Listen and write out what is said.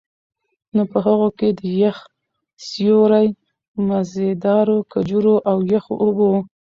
نو په هغو کي د يخ سيُوري، مزيدارو کجورو، او يخو اوبو